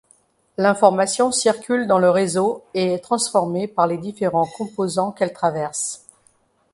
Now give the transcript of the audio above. L'information circule dans le réseau et est transformée par les différents composants qu'elle traverse.